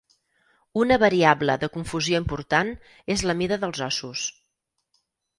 Una variable de confusió important és la mida dels ossos.